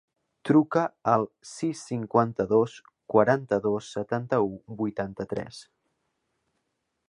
Truca al sis, cinquanta-dos, quaranta-dos, setanta-u, vuitanta-tres.